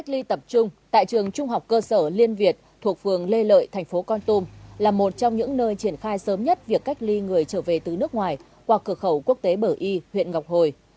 cơ sở liên việt thuộc phường lê lợi thành phố con tôm là một trong những nơi triển khai sớm nhất việc cách ly người trở về từ nước ngoài qua cửa khẩu quốc tế bởi y huyện ngọc hồi